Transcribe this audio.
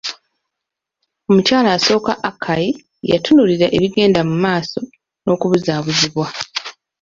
Omukyala asooka, Akai, yatunulira ebyali bigenda mu maaso n'okubuzabuzibwa.